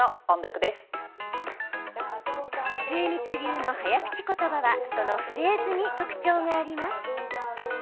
末光流の早口言葉はそのフレーズに特徴があります。